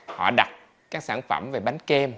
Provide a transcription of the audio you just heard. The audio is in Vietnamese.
họ đặt các sản phẩm về bánh kem